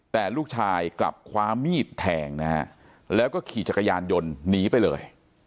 แต่ลูกชายกลับคว้ามีดแทงนะฮะแล้วก็ขี่จักรยานยนต์หนีไปเลย